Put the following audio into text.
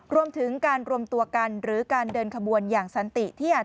รวมถึงการรวมตัวกันหรือการเดินขบวนอย่างสันติที่อาจ